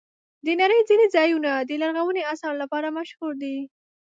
د نړۍ ځینې ځایونه د لرغونو آثارو لپاره مشهور دي.